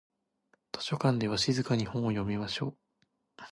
図書館では静かに本を読みましょう。